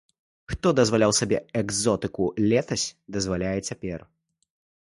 Хто дазваляў сабе экзотыку летась, дазваляе і цяпер.